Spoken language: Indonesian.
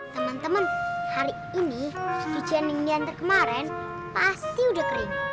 teman teman hari ini cucian yang diantar kemaren pasti udah kering